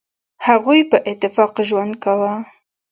هغوی په اتفاق ژوند کاوه.